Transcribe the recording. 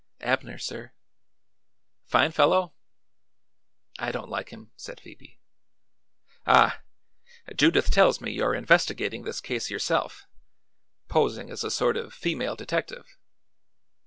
"Abner, sir." "Fine fellow?" "I don't like him," said Phoebe. "Ah! Judith tells me you're investigating this case yourself; posing as a sort of female detective."